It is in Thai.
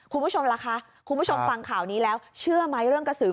คุณผู้ชมล่ะคะคุณผู้ชมฟังข่าวนี้แล้วเชื่อไหมเรื่องกระสือ